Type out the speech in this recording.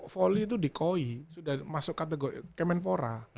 volley itu di koi sudah masuk kategori kemenpora